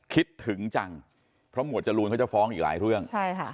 คิดถึงจังเพราะหมวดจรูนเขาจะฟ้องอีกหลายเรื่องใช่ค่ะ